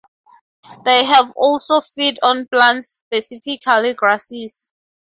They have also feed on plants, specifically grasses.